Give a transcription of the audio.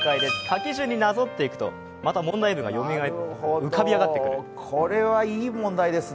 書き順になぞっていくと問題文が浮かび上がってきます。